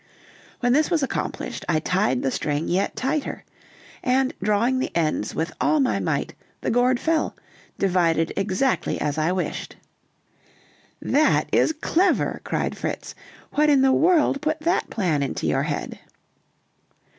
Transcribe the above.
When this was accomplished, I tied the string yet tighter; and drawing the ends with all my might, the gourd fell, divided exactly as I wished. "That is clever!" cried Fritz. "What in the world put that plan into your head?"